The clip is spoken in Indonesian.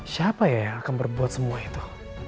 siapa ya yang akan berbuat semua itu